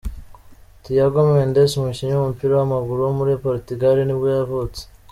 Tiago Mendes, umukinnyi w’umupira w’amaguru wo muri Portugal nibwo yavutse.